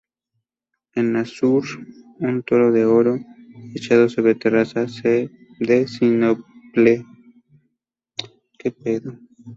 En azur, un toro de oro, echado sobre terraza de sinople.